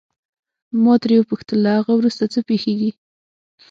ما ترې وپوښتل له هغه وروسته څه پېښیږي.